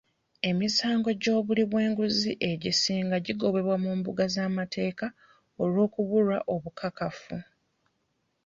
Emisango gy'obuli bw'enguzi egisinga gigobebwa mu mbuga z'amateeka olw'okubulwa obukakafu.